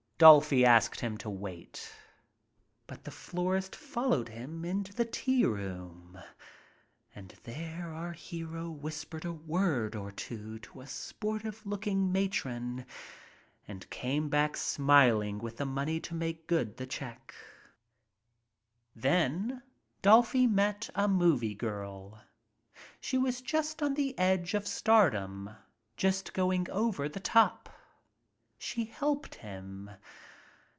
Dolfy asked him to wait. But the florist followed him into the tea room and there our hero whispered a word or two to a sportive looking matron and came back smiling with the money to make good the check. • 62 A WONDERFUL LOVER "Then Dolfy met a movie girl. She was just on the edge of stardom, just going over the top. She helped him.